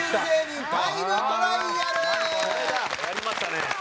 やりましたね。